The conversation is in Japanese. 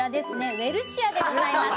ウエルシアでございます。